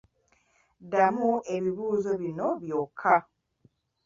Ddamu ebibuuzo bina byokka.